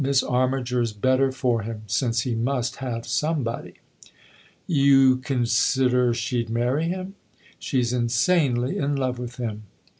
" Miss Armiger's better for him since he must have somebody !"" You consider she'd marry him ?"" She's insanely in love with him."